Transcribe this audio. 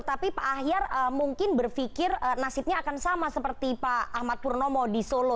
tapi pak ahyar mungkin berpikir nasibnya akan sama seperti pak ahmad purnomo di solo